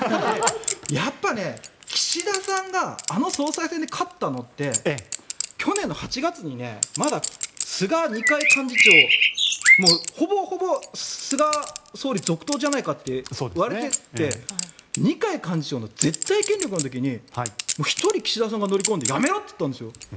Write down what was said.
やっぱりね岸田さんがあの総裁選で勝ったのって去年８月にまだ菅、二階幹事長ほぼほぼ、菅総理続投じゃないかといわれていて二階幹事長の絶対権力の時に１人、岸田さんが乗り込んで辞めろって言ったんですよ。